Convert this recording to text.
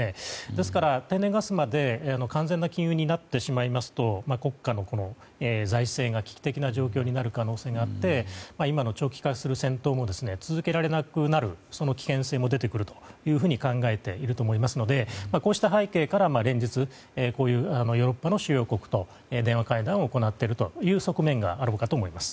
ですから天然ガスまで完全な禁輸になってしまいますと国家の財政が危機的な状況になる可能性があって今の長期化する戦闘も続けられなくなる危険性も出てくると考えていると思いますのでこうした背景から連日、こういうヨーロッパの主要国と電話会談を行っているという側面があるかと思います。